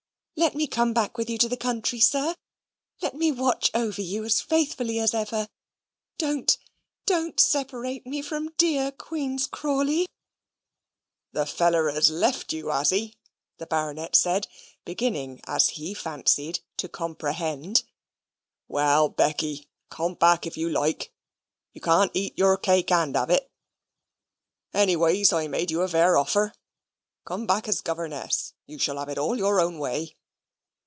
"Let me come back with you to the country, sir! Let me watch over you as faithfully as ever! Don't, don't separate me from dear Queen's Crawley!" "The feller has left you, has he?" the Baronet said, beginning, as he fancied, to comprehend. "Well, Becky come back if you like. You can't eat your cake and have it. Any ways I made you a vair offer. Coom back as governess you shall have it all your own way."